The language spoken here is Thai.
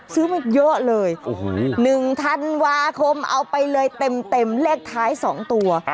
ซื้อมาเยอะเลย๑ธันวาคมเอาไปเลยเต็มเลขท้าย๒ตัว